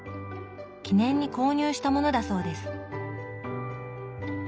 記念に購入したものだそうです。